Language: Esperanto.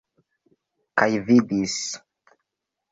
Kaj vidis.